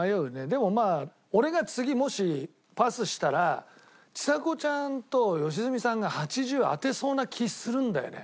でもまあ俺が次もしパスしたらちさ子ちゃんと良純さんが８１０当てそうな気ぃするんだよね。